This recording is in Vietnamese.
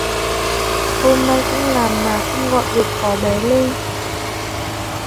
Hôm nay cũng làm mà không gọi được có bé lên